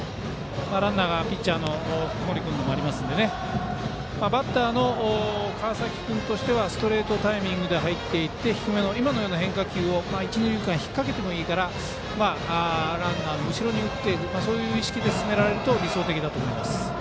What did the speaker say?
ランナーがピッチャーの福盛君でもあるのでバッターの川崎君はストレートのタイミングで入っていって今のような変化球を一、二塁間引っ掛けてもいいからランナーの後ろに打つ意識で進められると理想的だと思います。